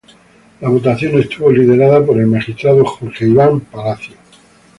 La votación estuvo liderada por el magistrado Jorge Iván Palacio.